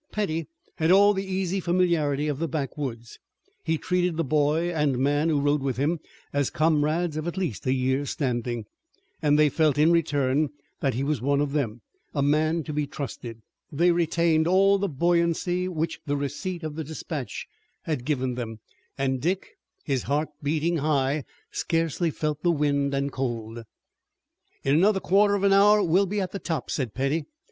Petty had all the easy familiarity of the backwoods. He treated the boy and man who rode with him as comrades of at least a year's standing, and they felt in return that he was one of them, a man to be trusted. They retained all the buoyancy which the receipt of the dispatch had given them, and Dick, his heart beating high, scarcely felt the wind and cold. "In another quarter of an hour we'll be at the top," said Petty.